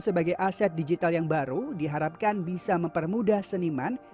sebagai aset digital yang baru diharapkan bisa mempermudah seniman